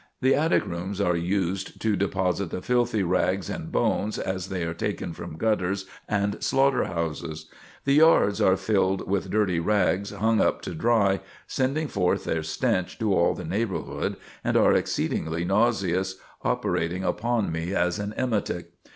The attic rooms are used to deposit the filthy rags and bones as they are taken from gutters and slaughter houses. The yards are filled with dirty rags hung up to dry, sending forth their stench to all the neighborhood, and are exceedingly nauseous, operating upon me as an emetic.